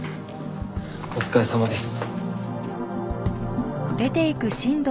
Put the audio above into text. お疲れさまです。